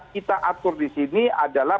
kita atur di sini adalah